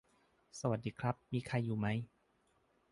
สวัสดีครับ มีใครอยู่ไหม